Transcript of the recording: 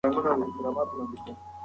د فقر د کموالي لپاره تعلیم کلیدي رول لري.